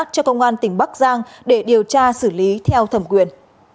cho công an tỉnh bắc giang để điều tra xử lý theo thẩm quyền